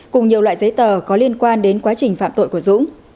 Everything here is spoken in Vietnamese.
cùng nhiều loại giấy tờ có liên quan đến quá trình phạm tội của dũng